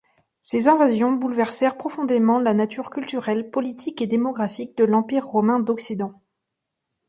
Ces invasions bouleversèrent profondément la nature culturelle, politique et démographique de l'Empire romain d'Occident.